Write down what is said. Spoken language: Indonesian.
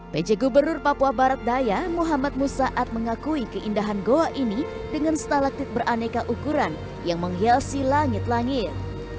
peja gubernur papua barat daya muhammad musa ad mengakui keindahan goa ini dengan stalaktit beraneka ukuran yang menghiasi langit langit